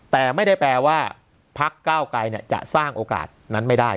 แต่ไม่ได้แปลว่าพักเก้าไกรจะสร้างโอกาสนั้นไม่ได้